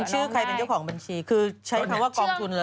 ชื่อใครเป็นเจ้าของบัญชีคือใช้คำว่ากองทุนเหรอ